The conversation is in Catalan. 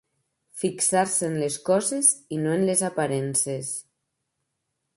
Fixar-se en les coses i no en les aparences.